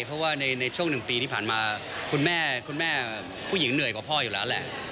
เพราะว่าในช่วง๑ปีที่ผ่านมาคุณแม่คุณแม่ผู้หญิงเหนื่อยกว่าพ่ออยู่แล้วแหละ